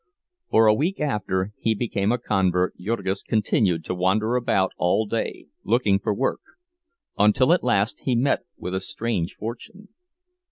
For a week after he became a convert Jurgis continued to wander about all day, looking for work; until at last he met with a strange fortune.